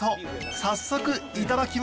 早速いただきます。